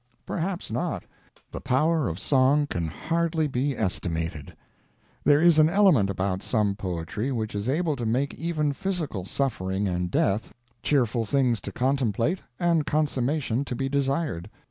Perhaps not. The power of song can hardly be estimated. There is an element about some poetry which is able to make even physical suffering and death cheerful things to contemplate and consummations to be desired.